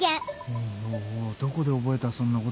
おおおおおおどこで覚えたそんなこと。